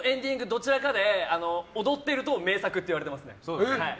どちらかで踊ってると名作って言われますね。